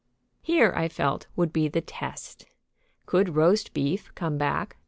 Here, I felt, would be the test. Could roast beef come back?